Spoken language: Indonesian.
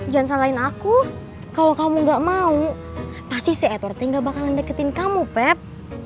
jangan salahin aku kalau kamu gak mau pasti si edwarting gak bakalan deketin kamu pep